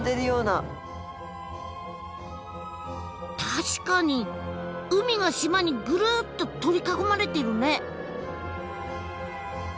確かに海が島にぐるっと取り囲まれてるね。